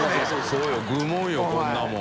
修Δ愚問よこんなもん。